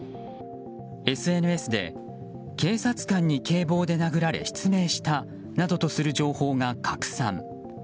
ＳＮＳで警察官に警棒で殴られ失明したなどという情報が拡散。